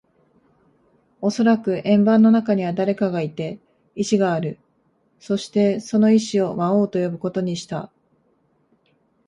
おそらく円盤の中には誰かがいて、意志がある。そして、その意思を魔王と呼ぶことにした。